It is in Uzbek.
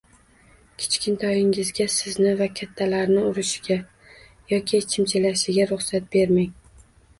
Kichkintoyingizga sizni va kattalarni urishiga yoki chimchilashiga ruxsat bermang.